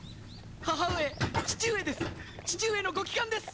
母上父上です！